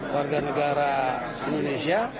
warga negara indonesia